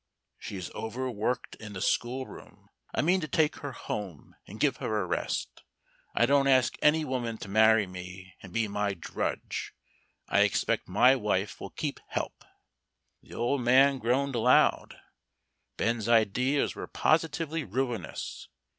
"She's overworked in the school room. I mean to take her home, and give her a rest. I don't ask any woman to marry me and be my drudge. I expect my wife will keep help." The old man groaned aloud. Ben's ideas were positively ruinous.